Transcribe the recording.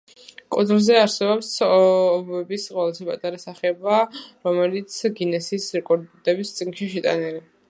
კუნძულზე არსებობს ობობების ყველაზე პატარა სახეობა, რომელიც გინესის რეკორდების წიგნშია შეტანილი.